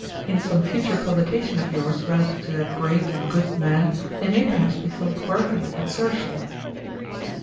In some future publication of yours relative to that great and good man, they may perhaps be thought worthy of insertion.'